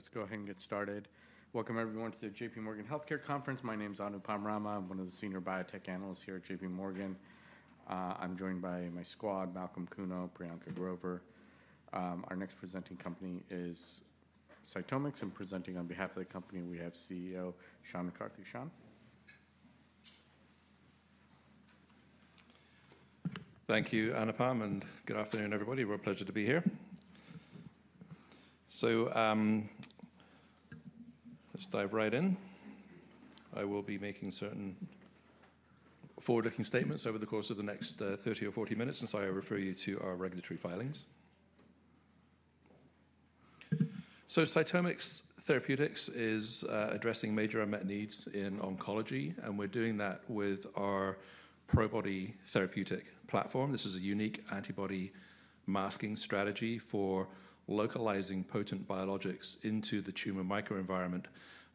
All right, let's go ahead and get started. Welcome, everyone, to the J.P. Morgan Healthcare Conference. My name's Anupam Rama. I'm one of the senior biotech analysts here at J.P. Morgan. I'm joined by my squad,, Priyanka Grover. Our next presenting company is CytomX. I'm presenting on behalf of the company. We have CEO Sean McCarthy. Sean? Thank you, Anupam, and good afternoon, everybody. It's a real pleasure to be here. So let's dive right in. I will be making certain forward-looking statements over the course of the next 30 or 40 minutes, and so I refer you to our regulatory filings. So CytomX Therapeutics is addressing major unmet needs in oncology, and we're doing that with our Probody therapeutic platform. This is a unique antibody masking strategy for localizing potent biologics into the tumor microenvironment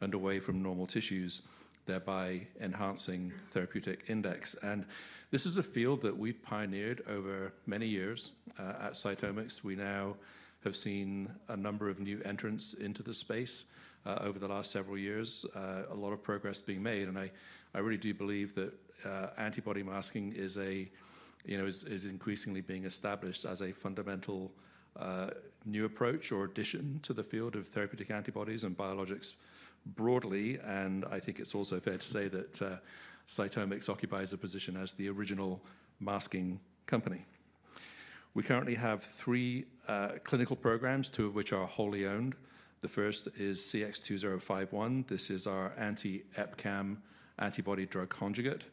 and away from normal tissues, thereby enhancing therapeutic index. And this is a field that we've pioneered over many years at CytomX. We now have seen a number of new entrants into the space over the last several years, a lot of progress being made. I really do believe that antibody masking is increasingly being established as a fundamental new approach or addition to the field of therapeutic antibodies and biologics broadly. I think it's also fair to say that CytomX occupies a position as the original masking company. We currently have three clinical programs, two of which are wholly owned. The first is CX-2051. This is our anti-EpCAM antibody drug conjugate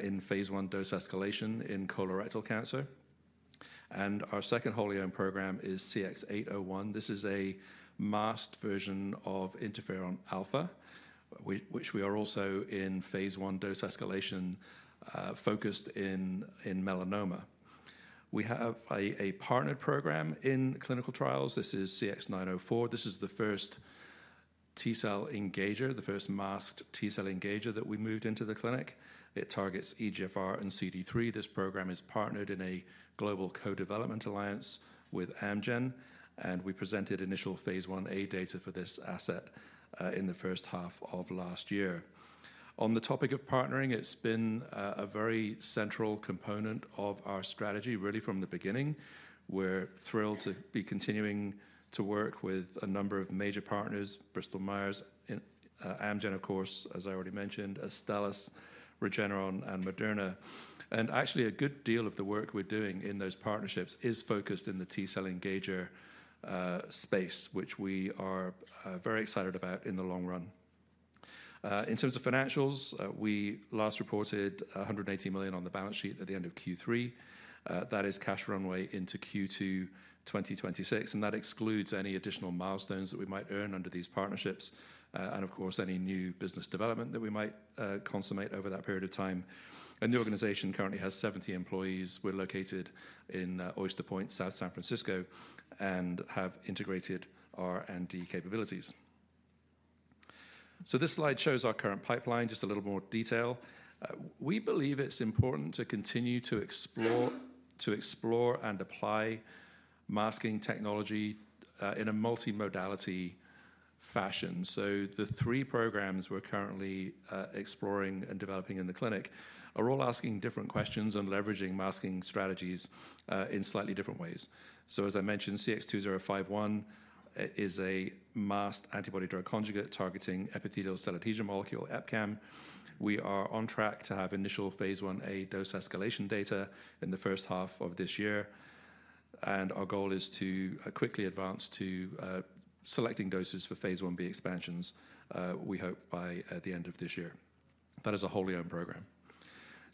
in phase one dose escalation in colorectal cancer. Our second wholly owned program is CX-801. This is a masked version of interferon alpha, which we are also in phase one dose escalation focused in melanoma. We have a partnered program in clinical trials. This is CX-904. This is the first T-cell engager, the first masked T-cell engager that we moved into the clinic. It targets EGFR and CD3. This program is partnered in a global co-development alliance with Amgen, and we presented initial phase 1a data for this asset in the first half of last year. On the topic of partnering, it's been a very central component of our strategy, really, from the beginning. We're thrilled to be continuing to work with a number of major partners: Bristol Myers Squibb, Amgen, of course, as I already mentioned, Astellas, Regeneron, and Moderna. And actually, a good deal of the work we're doing in those partnerships is focused in the T-cell engager space, which we are very excited about in the long run. In terms of financials, we last reported $180 million on the balance sheet at the end of Q3. That is cash runway into Q2 2026, and that excludes any additional milestones that we might earn under these partnerships, and of course, any new business development that we might consummate over that period of time, and the organization currently has 70 employees. We're located in Oyster Point, South San Francisco, and have integrated our R&D capabilities, so this slide shows our current pipeline in just a little more detail. We believe it's important to continue to explore and apply masking technology in a multi-modality fashion, so the three programs we're currently exploring and developing in the clinic are all asking different questions and leveraging masking strategies in slightly different ways, so as I mentioned, CX-2051 is a masked antibody-drug conjugate targeting epithelial cell adhesion molecule, EpCAM. We are on track to have initial phase 1a dose escalation data in the first half of this year, and our goal is to quickly advance to selecting doses for phase 1b expansions, we hope by the end of this year. That is a wholly owned program.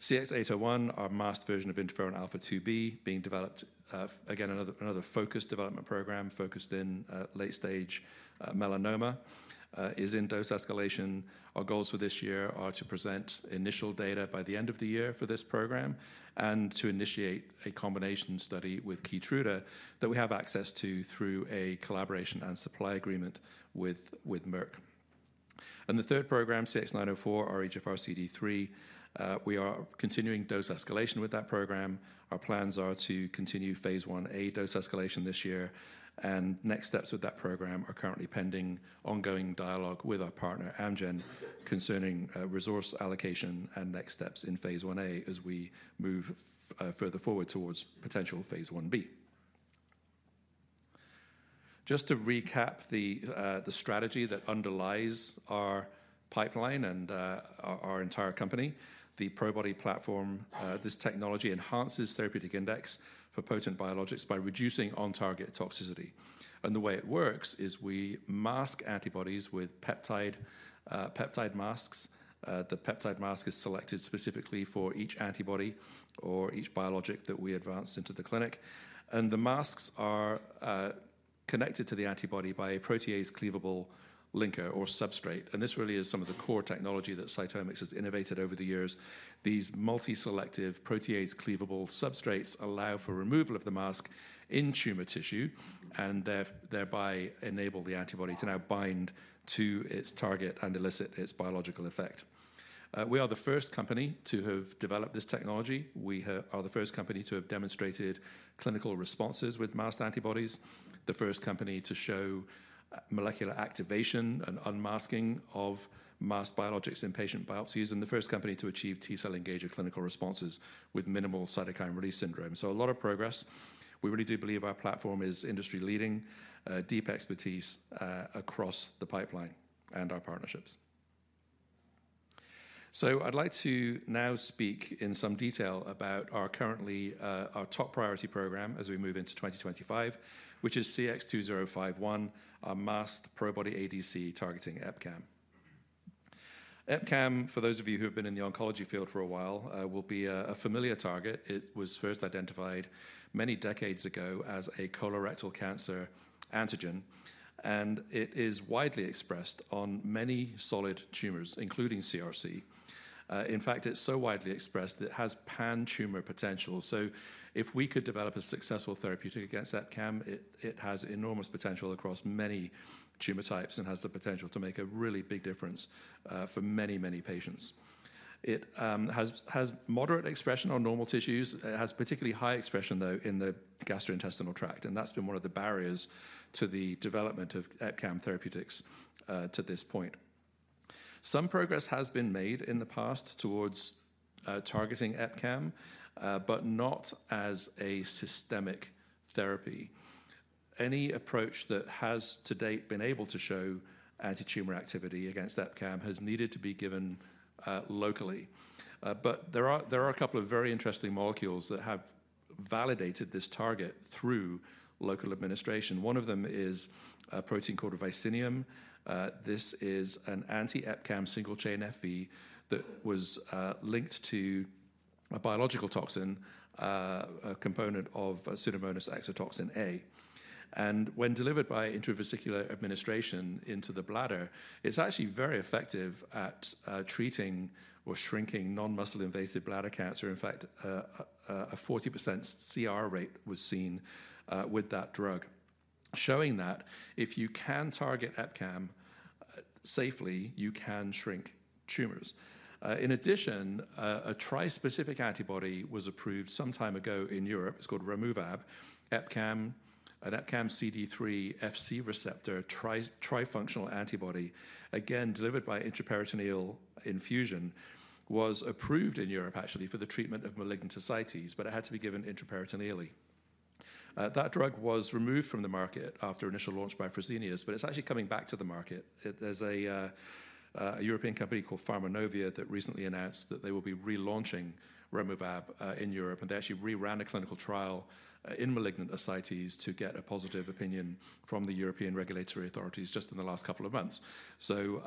CX-801, our masked version of interferon alpha-2b, being developed, again, another focused development program focused in late-stage melanoma, is in dose escalation. Our goals for this year are to present initial data by the end of the year for this program and to initiate a combination study with Keytruda that we have access to through a collaboration and supply agreement with Merck. The third program, CX-904, our EGFR CD3, we are continuing dose escalation with that program. Our plans are to continue phase 1a dose escalation this year, and next steps with that program are currently pending ongoing dialogue with our partner, Amgen, concerning resource allocation and next steps in phase 1a as we move further forward towards potential phase 1b. Just to recap the strategy that underlies our pipeline and our entire company, the Probody platform, this technology enhances therapeutic index for potent biologics by reducing on-target toxicity, and the way it works is we mask antibodies with peptide masks. The peptide mask is selected specifically for each antibody or each biologic that we advance into the clinic, and the masks are connected to the antibody by a protease cleavable linker or substrate, and this really is some of the core technology that CytomX has innovated over the years. These multi-selective protease cleavable substrates allow for removal of the mask in tumor tissue and thereby enable the antibody to now bind to its target and elicit its biological effect. We are the first company to have developed this technology. We are the first company to have demonstrated clinical responses with masked antibodies, the first company to show molecular activation and unmasking of masked biologics in patient biopsies, and the first company to achieve T-cell engager clinical responses with minimal cytokine release syndrome. So a lot of progress. We really do believe our platform is industry-leading, deep expertise across the pipeline and our partnerships. So I'd like to now speak in some detail about our top priority program as we move into 2025, which is CX-2051, our masked Probody ADC targeting EpCAM. EpCAM, for those of you who have been in the oncology field for a while, will be a familiar target. It was first identified many decades ago as a colorectal cancer antigen, and it is widely expressed on many solid tumors, including CRC. In fact, it's so widely expressed that it has pan-tumor potential. So if we could develop a successful therapeutic against EpCAM, it has enormous potential across many tumor types and has the potential to make a really big difference for many, many patients. It has moderate expression on normal tissues. It has particularly high expression, though, in the gastrointestinal tract, and that's been one of the barriers to the development of EpCAM therapeutics to this point. Some progress has been made in the past towards targeting EpCAM, but not as a systemic therapy. Any approach that has to date been able to show anti-tumor activity against EpCAM has needed to be given locally, but there are a couple of very interesting molecules that have validated this target through local administration. One of them is a protein called Vicineum. This is an anti-EpCAM scFv that was linked to a biological toxin, a component of Pseudomonas exotoxin A, and when delivered by intravesical administration into the bladder, it's actually very effective at treating or shrinking non-muscle invasive bladder cancer. In fact, a 40% CR rate was seen with that drug, showing that if you can target EpCAM safely, you can shrink tumors. In addition, a trispecific antibody was approved some time ago in Europe. It's called Removab, an EpCAM CD3 Fc receptor trifunctional antibody, again, delivered by intraperitoneal infusion, was approved in Europe, actually, for the treatment of malignant ascites, but it had to be given intraperitoneally. That drug was removed from the market after initial launch by Fresenius, but it's actually coming back to the market. There's a European company called Pharmanovia that recently announced that they will be relaunching Removab in Europe, and they actually re-ran a clinical trial in malignant ascites to get a positive opinion from the European regulatory authorities just in the last couple of months. So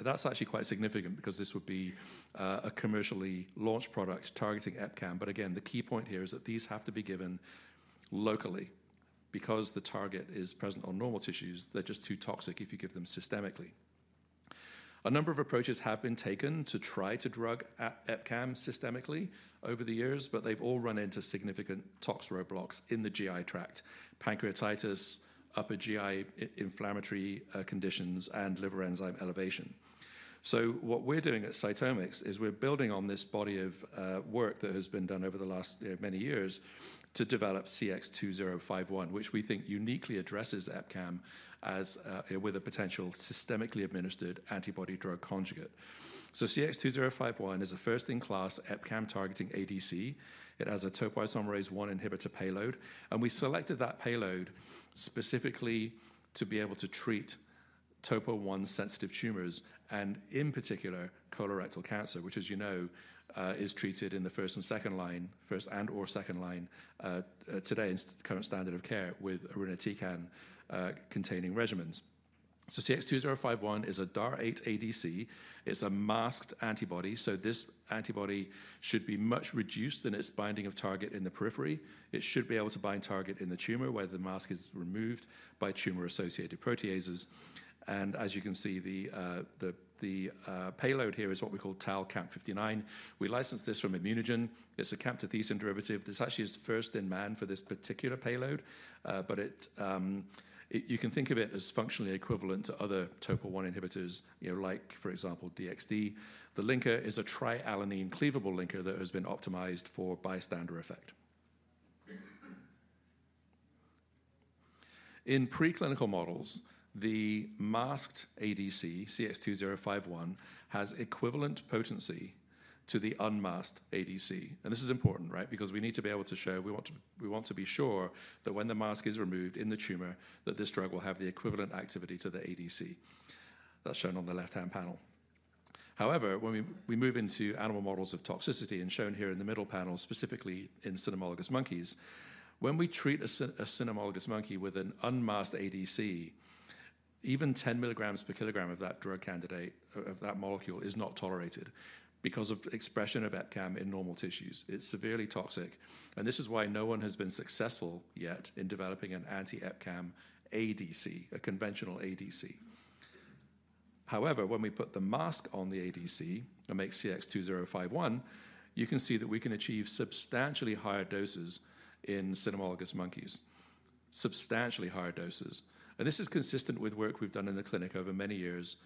that's actually quite significant because this would be a commercially launched product targeting EpCAM. But again, the key point here is that these have to be given locally because the target is present on normal tissues. They're just too toxic if you give them systemically. A number of approaches have been taken to try to drug EpCAM systemically over the years, but they've all run into significant tox roadblocks in the GI tract: pancreatitis, upper GI inflammatory conditions, and liver enzyme elevation. So what we're doing at CytomX is we're building on this body of work that has been done over the last many years to develop CX-2051, which we think uniquely addresses EpCAM with a potential systemically administered antibody-drug conjugate. So CX-2051 is a first-in-class EpCAM targeting ADC. It has a topoisomerase I inhibitor payload, and we selected that payload specifically to be able to treat topo-I sensitive tumors and, in particular, colorectal cancer, which, as you know, is treated in the first and second line, first and/or second line today in current standard of care with irinotecan-containing regimens. So CX-2051 is a DAR8 ADC. It's a masked antibody, so this antibody should be much reduced in its binding of target in the periphery. It should be able to bind target in the tumor where the mask is removed by tumor-associated proteases, and as you can see, the payload here is what we call TAL-CAMP59. We licensed this from ImmunoGen. It's a camptothecin derivative. This actually is first in man for this particular payload, but you can think of it as functionally equivalent to other topo-I inhibitors like, for example, DXd. The linker is a trialanine cleavable linker that has been optimized for bystander effect. In preclinical models, the masked ADC, CX-2051, has equivalent potency to the unmasked ADC, and this is important, right? Because we need to be able to show we want to be sure that when the mask is removed in the tumor, that this drug will have the equivalent activity to the ADC that's shown on the left-hand panel. However, when we move into animal models of toxicity, and shown here in the middle panel, specifically in cynomolgus monkeys, when we treat a cynomolgus monkey with an unmasked ADC, even 10 milligrams per kilogram of that drug candidate, of that molecule, is not tolerated because of expression of EpCAM in normal tissues. It's severely toxic, and this is why no one has been successful yet in developing an anti-EpCAM ADC, a conventional ADC. However, when we put the mask on the ADC and make CX-2051, you can see that we can achieve substantially higher doses in cynomolgus monkeys, substantially higher doses. This is consistent with work we've done in the clinic over many years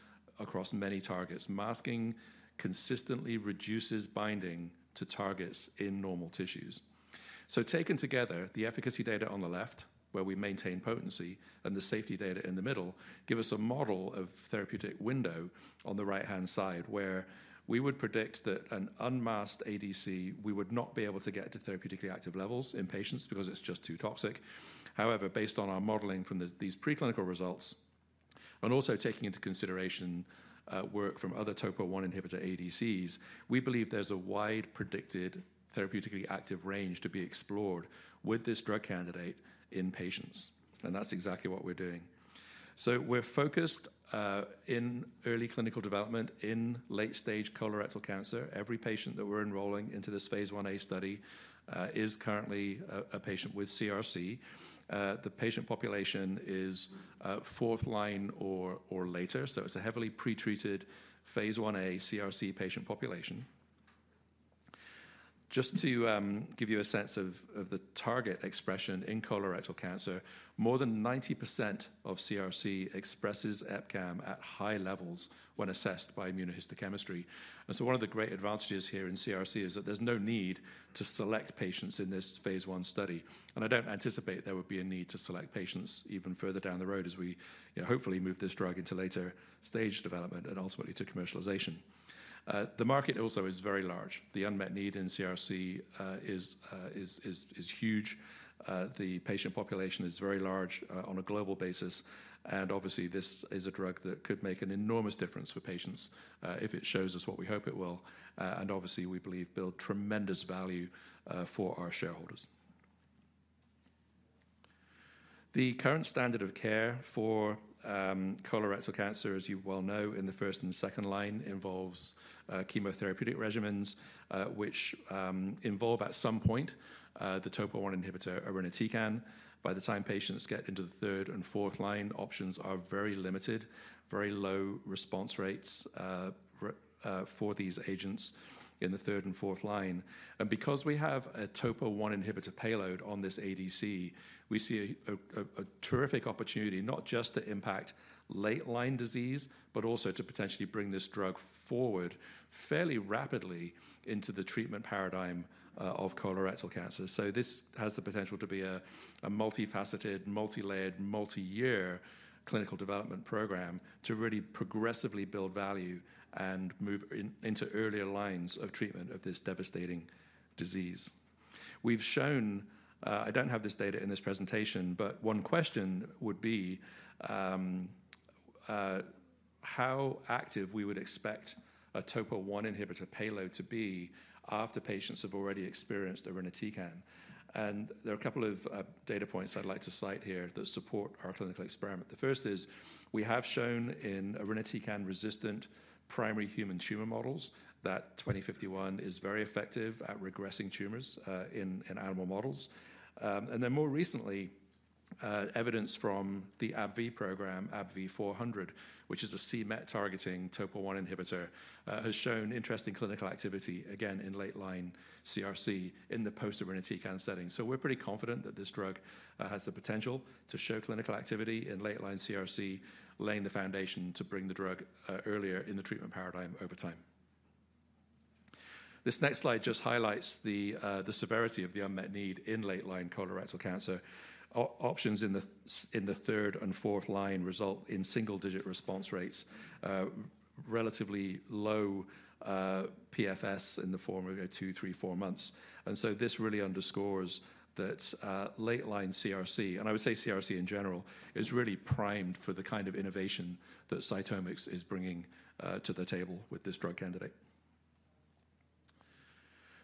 across many targets. Masking consistently reduces binding to targets in normal tissues. Taken together, the efficacy data on the left, where we maintain potency, and the safety data in the middle give us a model of therapeutic window on the right-hand side where we would predict that an unmasked ADC, we would not be able to get to therapeutically active levels in patients because it's just too toxic. However, based on our modeling from these preclinical results and also taking into consideration work from other topo-I inhibitor ADCs, we believe there's a wide predicted therapeutically active range to be explored with this drug candidate in patients. That's exactly what we're doing. We're focused in early clinical development in late-stage colorectal cancer. Every patient that we're enrolling into this phase 1a study is currently a patient with CRC. The patient population is fourth line or later, so it's a heavily pretreated phase 1a CRC patient population. Just to give you a sense of the target expression in colorectal cancer, more than 90% of CRC expresses EpCAM at high levels when assessed by immunohistochemistry, and so one of the great advantages here in CRC is that there's no need to select patients in this phase 1a study. And I don't anticipate there would be a need to select patients even further down the road as we hopefully move this drug into later stage development and ultimately to commercialization. The market also is very large. The unmet need in CRC is huge. The patient population is very large on a global basis. Obviously, this is a drug that could make an enormous difference for patients if it shows us what we hope it will. Obviously, we believe it will build tremendous value for our shareholders. The current standard of care for colorectal cancer, as you well know, in the first and second line involves chemotherapeutic regimens, which involve at some point the topo-I inhibitor irinotecan. By the time patients get into the third and fourth line, options are very limited, very low response rates for these agents in the third and fourth line. Because we have a topo-I inhibitor payload on this ADC, we see a terrific opportunity not just to impact late-line disease, but also to potentially bring this drug forward fairly rapidly into the treatment paradigm of colorectal cancer. So this has the potential to be a multifaceted, multi-layered, multi-year clinical development program to really progressively build value and move into earlier lines of treatment of this devastating disease. We've shown. I don't have this data in this presentation, but one question would be how active we would expect a topo-I inhibitor payload to be after patients have already experienced irinotecan. And there are a couple of data points I'd like to cite here that support our clinical experiment. The first is we have shown in irinotecan-resistant primary human tumor models that 2051 is very effective at regressing tumors in animal models. And then more recently, evidence from the AbbVie program, ABBV-400, which is a c-Met-targeting topo-I inhibitor, has shown interesting clinical activity, again, in late-line CRC in the post-irinotecan setting. So we're pretty confident that this drug has the potential to show clinical activity in late-line CRC, laying the foundation to bring the drug earlier in the treatment paradigm over time. This next slide just highlights the severity of the unmet need in late-line colorectal cancer. Options in the third and fourth line result in single-digit response rates, relatively low PFS in the form of two, three, four months. And so this really underscores that late-line CRC, and I would say CRC in general, is really primed for the kind of innovation that CytomX is bringing to the table with this drug candidate.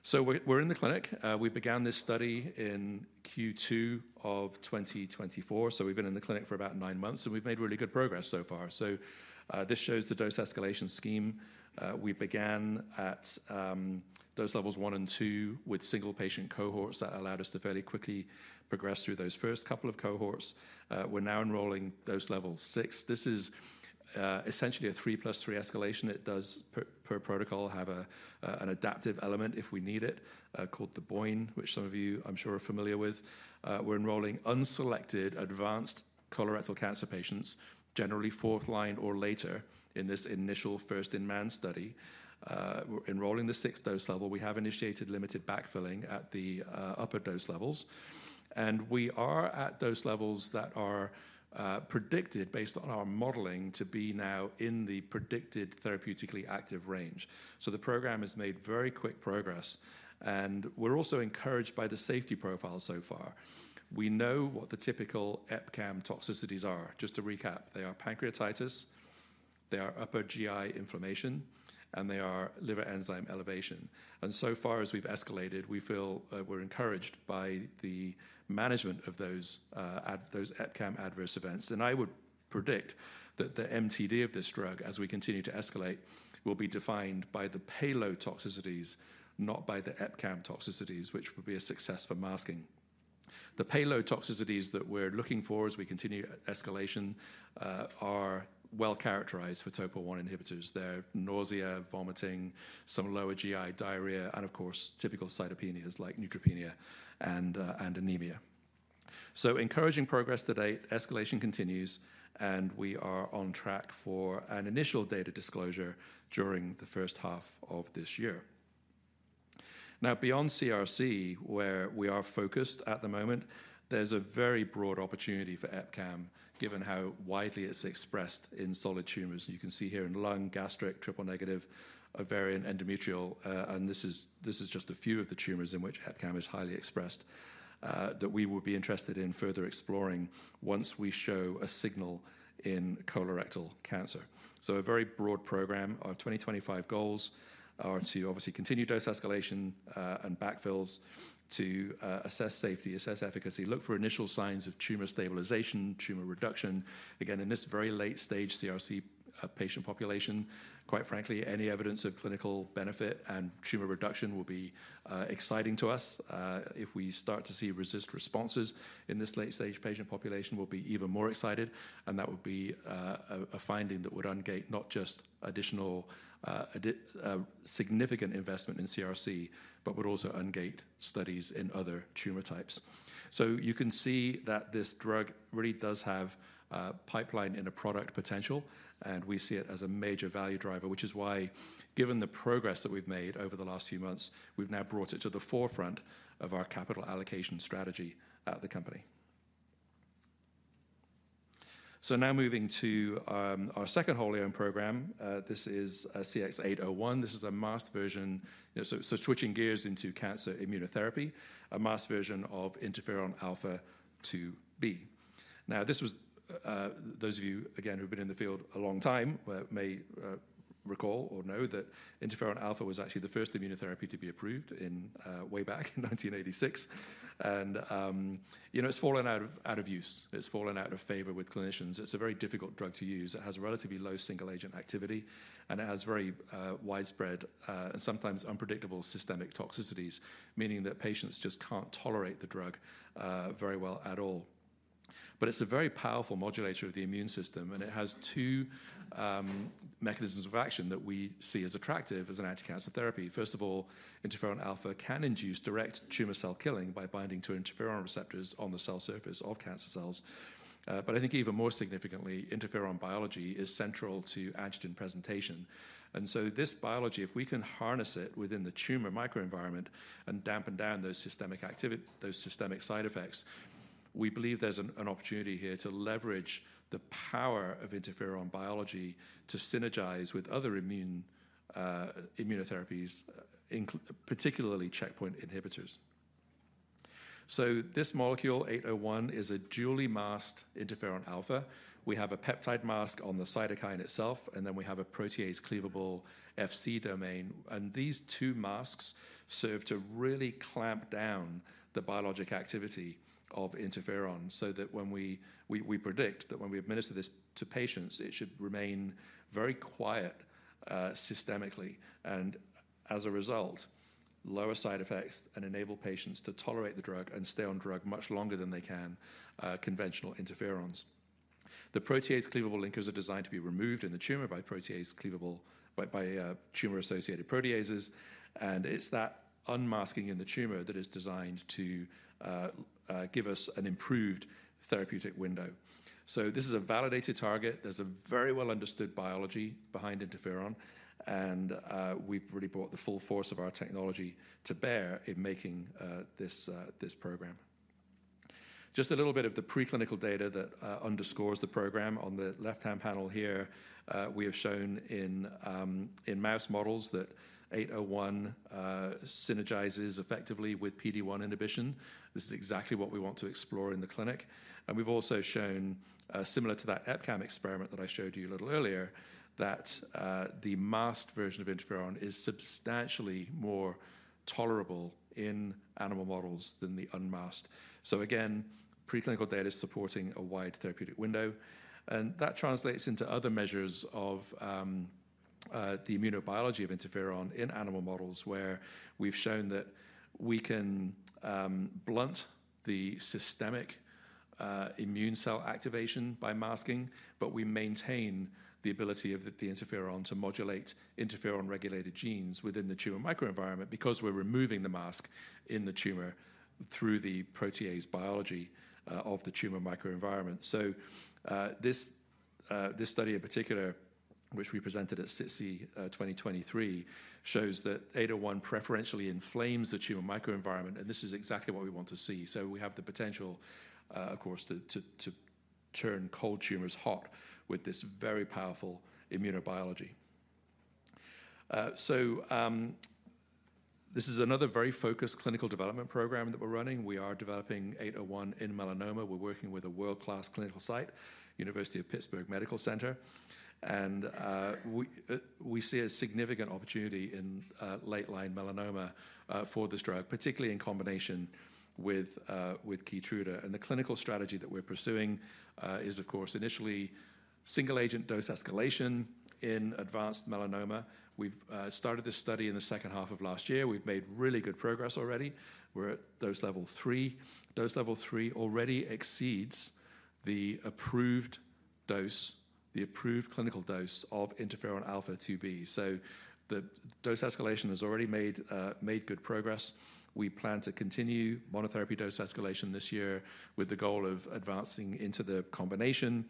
So we're in the clinic. We began this study in Q2 of 2024. So we've been in the clinic for about nine months, and we've made really good progress so far. So this shows the dose escalation scheme. We began at dose levels one and two with single-patient cohorts that allowed us to fairly quickly progress through those first couple of cohorts. We're now enrolling dose level six. This is essentially a three-plus-three escalation. It does, per protocol, have an adaptive element if we need it called the BOIN, which some of you, I'm sure, are familiar with. We're enrolling unselected advanced colorectal cancer patients, generally fourth line or later in this initial first-in-man study. We're enrolling the sixth dose level. We have initiated limited backfilling at the upper dose levels. We are at those levels that are predicted based on our modeling to be now in the predicted therapeutically active range. The program has made very quick progress, and we're also encouraged by the safety profile so far. We know what the typical EpCAM toxicities are. Just to recap, they are pancreatitis, they are upper GI inflammation, and they are liver enzyme elevation, and so far as we've escalated, we feel we're encouraged by the management of those EpCAM adverse events, and I would predict that the MTD of this drug, as we continue to escalate, will be defined by the payload toxicities, not by the EpCAM toxicities, which would be a success for masking. The payload toxicities that we're looking for as we continue escalation are well-characterized for topo I inhibitors. They're nausea, vomiting, some lower GI diarrhea, and of course, typical cytopenias like neutropenia and anemia, so encouraging progress to date. Escalation continues, and we are on track for an initial data disclosure during the first half of this year. Now, beyond CRC, where we are focused at the moment, there's a very broad opportunity for EpCAM given how widely it's expressed in solid tumors. You can see here in lung, gastric, triple-negative, ovarian, endometrial, and this is just a few of the tumors in which EpCAM is highly expressed that we will be interested in further exploring once we show a signal in colorectal cancer. A very broad program. Our 2025 goals are to obviously continue dose escalation and backfills, to assess safety, assess efficacy, look for initial signs of tumor stabilization, tumor reduction. Again, in this very late-stage CRC patient population, quite frankly, any evidence of clinical benefit and tumor reduction will be exciting to us. If we start to see RECIST responses in this late-stage patient population, we'll be even more excited. That would be a finding that would ungate not just additional significant investment in CRC, but would also ungate studies in other tumor types. So you can see that this drug really does have pipeline in a product potential, and we see it as a major value driver, which is why, given the progress that we've made over the last few months, we've now brought it to the forefront of our capital allocation strategy at the company. So now moving to our second wholly owned program, this is CX-801. This is a masked version, so switching gears into cancer immunotherapy, a masked version of interferon alpha-2b. Now, this was, those of you, again, who've been in the field a long time, may recall or know that interferon alpha was actually the first immunotherapy to be approved way back in 1986. And it's fallen out of use. It's fallen out of favor with clinicians. It's a very difficult drug to use. It has relatively low single-agent activity, and it has very widespread and sometimes unpredictable systemic toxicities, meaning that patients just can't tolerate the drug very well at all. But it's a very powerful modulator of the immune system, and it has two mechanisms of action that we see as attractive as an anti-cancer therapy. First of all, interferon alpha can induce direct tumor cell killing by binding to interferon receptors on the cell surface of cancer cells. But I think even more significantly, interferon biology is central to antigen presentation. And so this biology, if we can harness it within the tumor microenvironment and dampen down those systemic side effects, we believe there's an opportunity here to leverage the power of interferon biology to synergize with other immunotherapies, particularly checkpoint inhibitors. So this molecule, 801, is a dually masked interferon alpha. We have a peptide mask on the cytokine itself, and then we have a protease cleavable Fc domain, and these two masks serve to really clamp down the biologic activity of interferon so that when we predict that, when we administer this to patients, it should remain very quiet systemically, and as a result, lower side effects and enable patients to tolerate the drug and stay on drug much longer than they can conventional interferons. The protease cleavable linkers are designed to be removed in the tumor by tumor-associated proteases, and it's that unmasking in the tumor that is designed to give us an improved therapeutic window, so this is a validated target. There's a very well-understood biology behind interferon, and we've really brought the full force of our technology to bear in making this program. Just a little bit of the preclinical data that underscores the program. On the left-hand panel here, we have shown in mouse models that 801 synergizes effectively with PD-1 inhibition. This is exactly what we want to explore in the clinic. And we've also shown, similar to that EpCAM experiment that I showed you a little earlier, that the masked version of interferon is substantially more tolerable in animal models than the unmasked. So again, preclinical data is supporting a wide therapeutic window. And that translates into other measures of the immunobiology of interferon in animal models where we've shown that we can blunt the systemic immune cell activation by masking, but we maintain the ability of the interferon to modulate interferon-regulated genes within the tumor microenvironment because we're removing the mask in the tumor through the protease biology of the tumor microenvironment. So this study in particular, which we presented at SITC 2023, shows that 801 preferentially inflames the tumor microenvironment, and this is exactly what we want to see. So we have the potential, of course, to turn cold tumors hot with this very powerful immunobiology. So this is another very focused clinical development program that we're running. We are developing 801 in melanoma. We're working with a world-class clinical site, University of Pittsburgh Medical Center. And we see a significant opportunity in late-line melanoma for this drug, particularly in combination with Keytruda. And the clinical strategy that we're pursuing is, of course, initially single-agent dose escalation in advanced melanoma. We've started this study in the second half of last year. We've made really good progress already. We're at dose level three. Dose level three already exceeds the approved dose, the approved clinical dose of interferon alpha-2b. The dose escalation has already made good progress. We plan to continue monotherapy dose escalation this year with the goal of advancing into the combination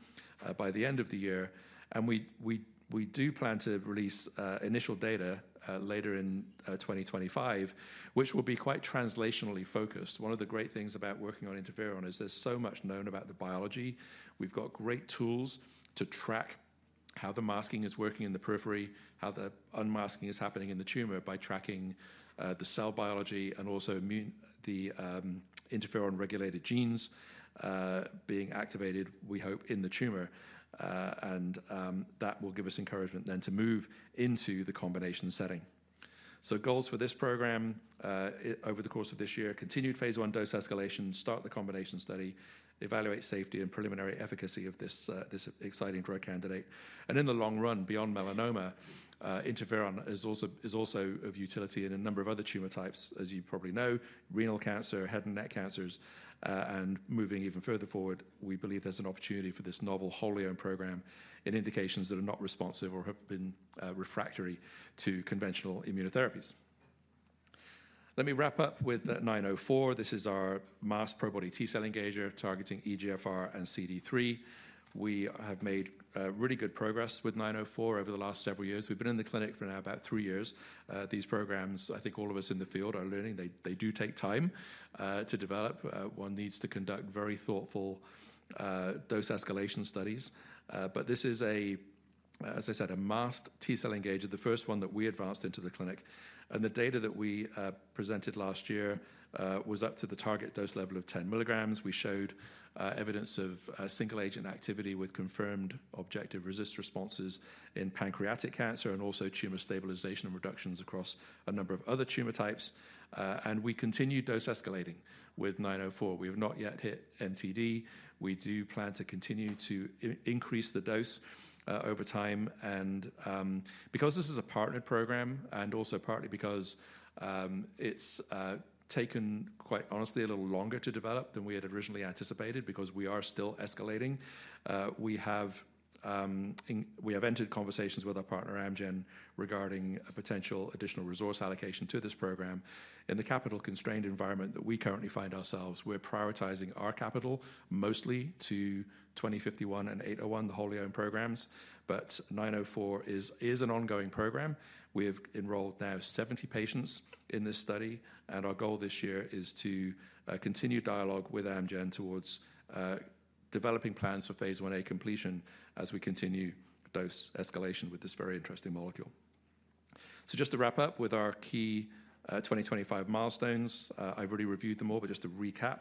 by the end of the year. We do plan to release initial data later in 2025, which will be quite translationally focused. One of the great things about working on interferon is there's so much known about the biology. We've got great tools to track how the masking is working in the periphery, how the unmasking is happening in the tumor by tracking the cell biology and also the interferon-regulated genes being activated, we hope, in the tumor. That will give us encouragement then to move into the combination setting. Goals for this program over the course of this year: continued phase 1 dose escalation, start the combination study, evaluate safety and preliminary efficacy of this exciting drug candidate. In the long run, beyond melanoma, interferon is also of utility in a number of other tumor types, as you probably know: renal cancer, head and neck cancers. Moving even further forward, we believe there's an opportunity for this novel wholly owned program in indications that are not responsive or have been refractory to conventional immunotherapies. Let me wrap up with 904. This is our masked Probody T-cell engager targeting EGFR and CD3. We have made really good progress with 904 over the last several years. We've been in the clinic for now about three years. These programs, I think all of us in the field are learning, they do take time to develop. One needs to conduct very thoughtful dose escalation studies, but this is, as I said, a masked T-cell engager, the first one that we advanced into the clinic. The data that we presented last year was up to the target dose level of 10 milligrams. We showed evidence of single-agent activity with confirmed objective response responses in pancreatic cancer and also tumor stabilization and reductions across a number of other tumor types. We continue dose escalating with 904. We have not yet hit MTD. We do plan to continue to increase the dose over time. Because this is a partnered program, and also partly because it's taken, quite honestly, a little longer to develop than we had originally anticipated because we are still escalating, we have entered conversations with our partner, Amgen, regarding a potential additional resource allocation to this program. In the capital-constrained environment that we currently find ourselves, we're prioritizing our capital mostly to 2051 and 801, the wholly owned programs. 904 is an ongoing program. We have enrolled now 70 patients in this study. And our goal this year is to continue dialogue with Amgen towards developing plans for phase 1a completion as we continue dose escalation with this very interesting molecule. So just to wrap up with our key 2025 milestones, I've already reviewed them all, but just to recap,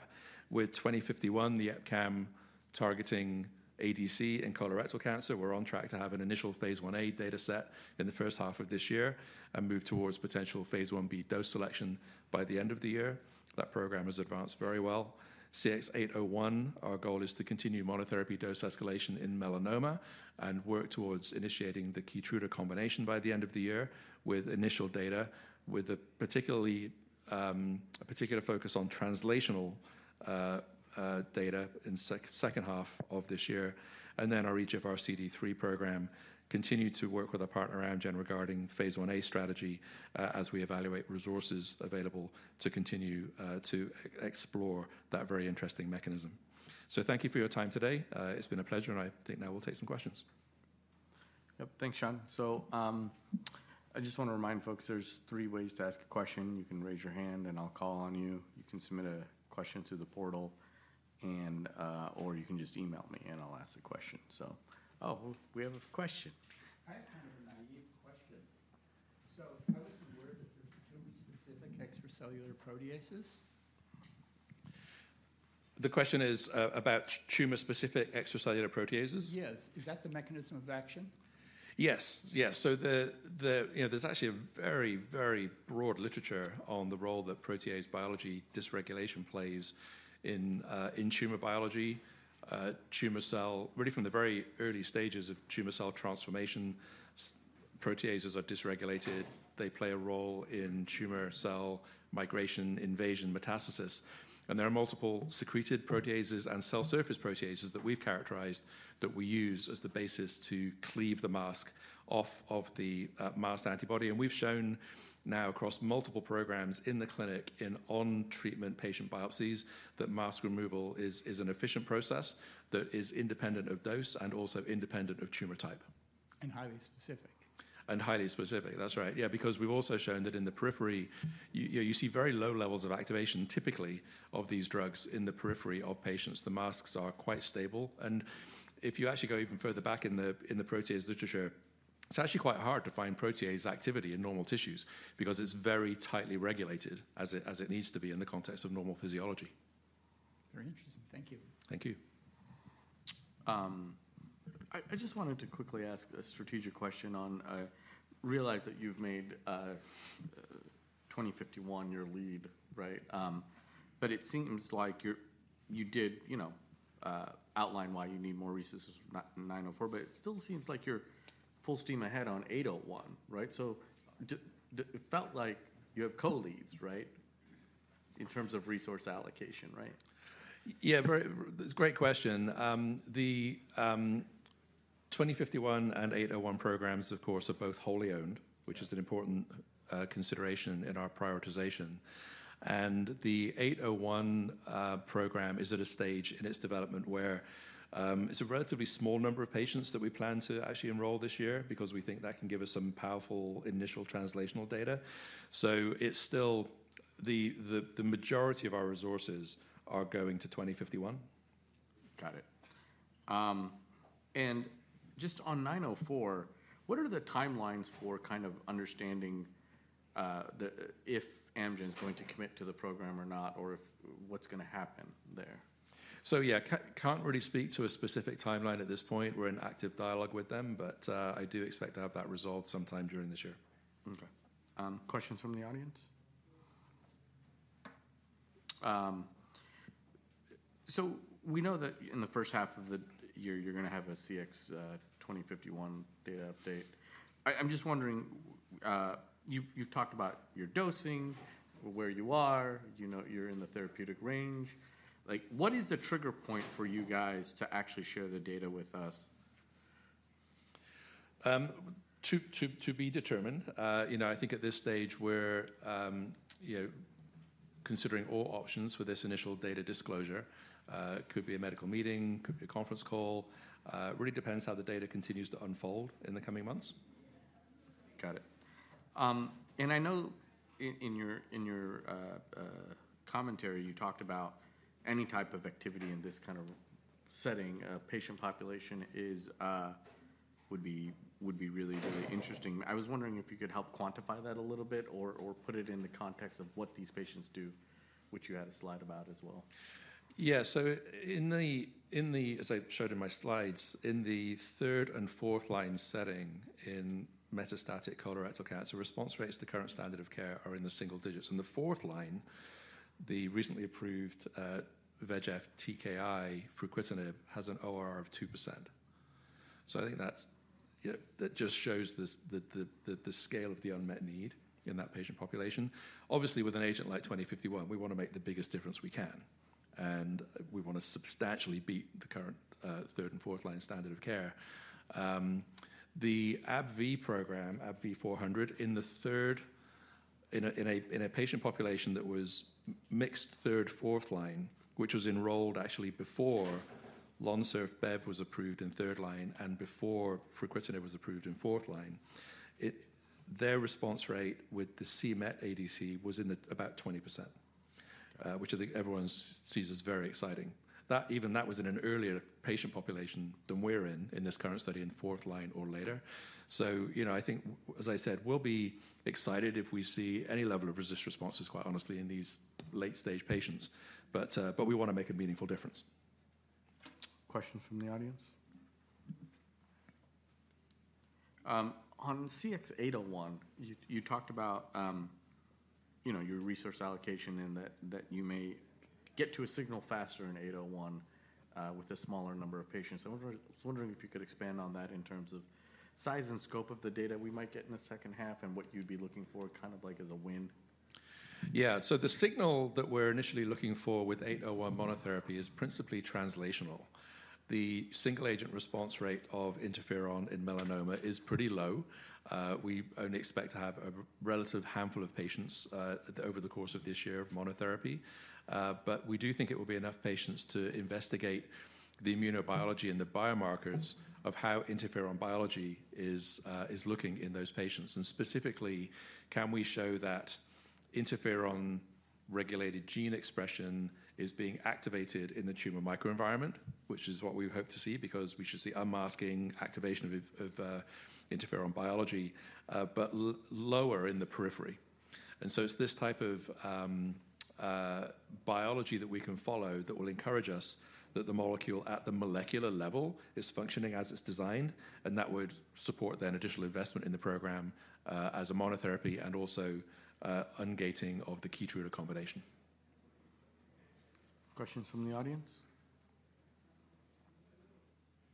with CX-2051, the EpCAM targeting ADC and colorectal cancer, we're on track to have an initial phase 1a data set in the first half of this year and move towards potential phase 1b dose selection by the end of the year. That program has advanced very well. CX-801, our goal is to continue monotherapy dose escalation in melanoma and work towards initiating the Keytruda combination by the end of the year with initial data, with a particular focus on translational data in the second half of this year. And then our EGFR CD3 program continues to work with our partner, Amgen, regarding phase 1a strategy as we evaluate resources available to continue to explore that very interesting mechanism. So thank you for your time today. It's been a pleasure, and I think now we'll take some questions. Yep, thanks, Sean. So I just want to remind folks, there are three ways to ask a question. You can raise your hand, and I'll call on you. You can submit a question to the portal, or you can just email me, and I'll ask the question. So, oh, we have a question. I have kind of a naive question. So I wasn't aware that there's tumor-specific extracellular proteases. The question is about tumor-specific extracellular proteases? Yes. Is that the mechanism of action? Yes. Yeah. There's actually a very, very broad literature on the role that protease biology dysregulation plays in tumor biology, tumor cell, really from the very early stages of tumor cell transformation. Proteases are dysregulated. They play a role in tumor cell migration, invasion, metastasis. There are multiple secreted proteases and cell surface proteases that we've characterized that we use as the basis to cleave the mask off of the masked antibody. We've shown now across multiple programs in the clinic in on-treatment patient biopsies that mask removal is an efficient process that is independent of dose and also independent of tumor type. Highly specific. Highly specific, that's right. Yeah, because we've also shown that in the periphery, you see very low levels of activation, typically, of these drugs in the periphery of patients. The masks are quite stable. And if you actually go even further back in the protease literature, it's actually quite hard to find protease activity in normal tissues because it's very tightly regulated as it needs to be in the context of normal physiology. Very interesting. Thank you. Thank you. I just wanted to quickly ask a strategic question on. I realize that you've made 2051 your lead, right? But it seems like you did outline why you need more resources for 904, but it still seems like you're full steam ahead on 801, right? So it felt like you have co-leads, right, in terms of resource allocation, right? Yeah, it's a great question. The 2051 and 801 programs, of course, are both wholly owned, which is an important consideration in our prioritization. And the 801 program is at a stage in its development where it's a relatively small number of patients that we plan to actually enroll this year because we think that can give us some powerful initial translational data. So it's still the majority of our resources are going to 2051. Got it. And just on 904, what are the timelines for kind of understanding if Amgen is going to commit to the program or not, or what's going to happen there? So yeah, can't really speak to a specific timeline at this point. We're in active dialogue with them, but I do expect to have that resolved sometime during this year. Okay. Questions from the audience? So we know that in the first half of the year, you're going to have a CX2051 data update. I'm just wondering, you've talked about your dosing, where you are, you're in the therapeutic range. What is the trigger point for you guys to actually share the data with us? To be determined. I think at this stage, we're considering all options for this initial data disclosure. It could be a medical meeting, could be a conference call. Really depends how the data continues to unfold in the coming months. Got it. And I know in your commentary, you talked about any type of activity in this kind of setting, patient population would be really, really interesting. I was wondering if you could help quantify that a little bit or put it in the context of what these patients do, which you had a slide about as well. Yeah, so in the, as I showed in my slides, in the third and fourth line setting in metastatic colorectal cancer, response rates to current standard of care are in the single digits. In the fourth line, the recently approved VEGF TKI, fruquintinib, has an ORR of 2%. So I think that just shows the scale of the unmet need in that patient population. Obviously, with an agent like 2051, we want to make the biggest difference we can. And we want to substantially beat the current third and fourth line standard of care. The AbbVie program, AbbVie 400, in a patient population that was mixed third, fourth line, which was enrolled actually before Lonsurf Bev was approved in third line and before fruquintinib was approved in fourth line, their response rate with the c-Met ADC was about 20%, which I think everyone sees as very exciting. Even that was in an earlier patient population than we're in, in this current study in fourth line or later. So I think, as I said, we'll be excited if we see any level of RECIST responses, quite honestly, in these late-stage patients. But we want to make a meaningful difference. Questions from the audience? On CX-801, you talked about your resource allocation and that you may get to a signal faster in 801 with a smaller number of patients. I was wondering if you could expand on that in terms of size and scope of the data we might get in the second half and what you'd be looking for, kind of like as a win. Yeah, so the signal that we're initially looking for with 801 monotherapy is principally translational. The single-agent response rate of interferon in melanoma is pretty low. We only expect to have a relative handful of patients over the course of this year of monotherapy, but we do think it will be enough patients to investigate the immunobiology and the biomarkers of how interferon biology is looking in those patients, and specifically, can we show that interferon-regulated gene expression is being activated in the tumor microenvironment, which is what we hope to see because we should see unmasking, activation of interferon biology, but lower in the periphery, and so it's this type of biology that we can follow that will encourage us that the molecule at the molecular level is functioning as it's designed, and that would support then additional investment in the program as a monotherapy and also ungating of the Keytruda combination. Questions from the audience?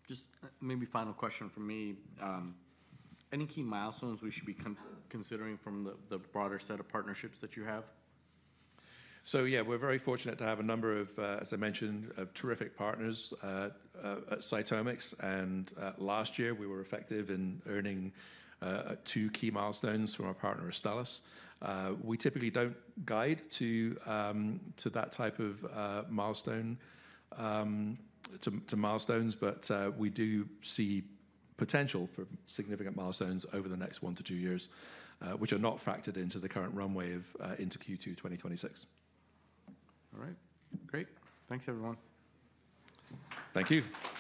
Just maybe final question from me. Any key milestones we should be considering from the broader set of partnerships that you have? So yeah, we're very fortunate to have a number of, as I mentioned, terrific partners at CytomX. And last year, we were effective in earning two key milestones from our partner, Astellas. We typically don't guide to that type of milestone, to milestones, but we do see potential for significant milestones over the next one to two years, which are not factored into the current runway of into Q2 2026. All right. Great. Thanks, everyone. Thank you.